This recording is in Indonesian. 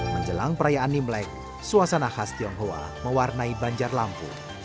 menjelang perayaan imlek suasana khas tionghoa mewarnai banjar lampu